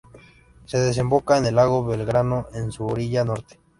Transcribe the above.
Se desemboca en el Lago Belgrano, en su orilla norte.